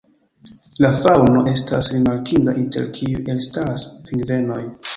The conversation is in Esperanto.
La faŭno estas rimarkinda, inter kiuj elstaras pingvenoj.